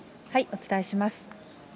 お伝えします。